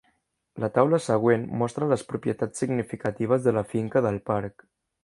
La taula següent mostra les propietats significatives de la finca del parc.